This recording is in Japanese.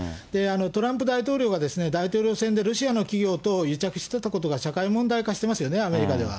トランプ大統領が大統領選でロシアの企業と癒着してたことが社会問題化してますよね、アメリカでは。